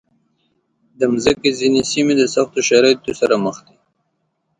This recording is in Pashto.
د مځکې ځینې سیمې د سختو شرایطو سره مخ دي.